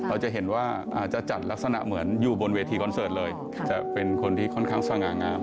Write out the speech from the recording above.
เราจะเห็นว่าอาจจะจัดลักษณะเหมือนอยู่บนเวทีคอนเสิร์ตเลยจะเป็นคนที่ค่อนข้างสง่างาม